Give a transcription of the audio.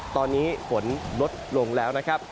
ตอนนี้ฝนลดลงแล้วนะครับ